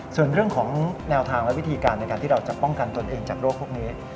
ส่วนเรื่องของแนวทางและวิธีการในการที่เราจะป้องกันตนเองจากโรคพวกนี้